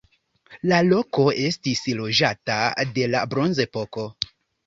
La loko estis loĝata de la bronzepoko.